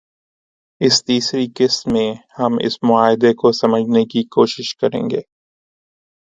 اس تیسری قسط میں ہم اس معاہدے کو سمجھنے کی کوشش کریں گے